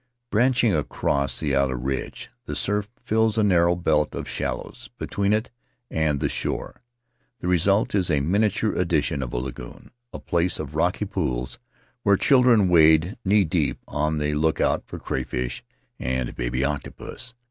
Breaching across the outer ridge, the surf fills a narrow belt of shallows between it and the shore; the result is a miniature edition of a lagoon — a place of rocky pools where chil dren wade knee deep, on the lookout for crayfish and baby octopus.